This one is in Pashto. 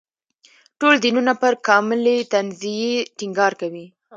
ټول دینونه پر کاملې تنزیې ټینګار کوي.